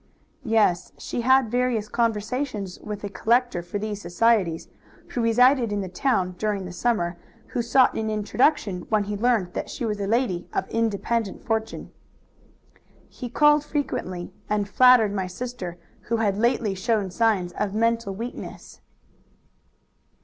"Yes, she had various conversations with a collector for these societies, who resided in the town during the summer, who sought an introduction when he learned that she was a lady of independent fortune. He called frequently, and flattered my sister, who had lately shown signs of mental weakness."